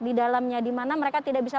di dalamnya dimana mereka tidak bisa